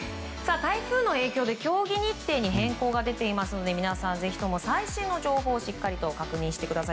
台風の影響で競技日程に変更が出ていますので皆さんぜひとも最新の情報をしっかりと確認してください。